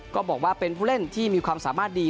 ก็บอกว่าเป็นผู้เล่นที่มีความสามารถดี